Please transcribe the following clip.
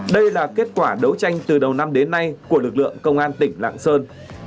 đây là kết quả đấu tranh từ đầu năm đến nay của lực lượng công an tỉnh lạng sơn